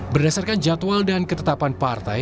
berdasarkan jadwal dan ketetapan partai